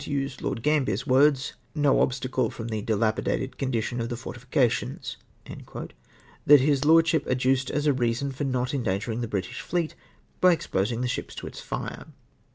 103 use Lord Gambier's words, " /^t* obstacle, from the dila pidated condition of the fortif cations'' — that his lord ship adduced as a reason for not eudaiigermg the British fleet by exposing the ships to its fire.